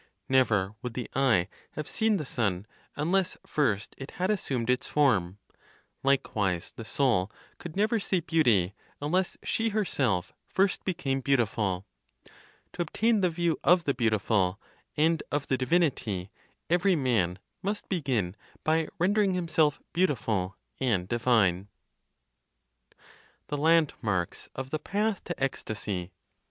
Never would the eye have seen the sun unless first it had assumed its form; likewise, the soul could never see beauty, unless she herself first became beautiful. To obtain the view of the beautiful, and of the divinity, every man must begin by rendering himself beautiful and divine. THE LANDMARKS OF THE PATH TO ECSTASY.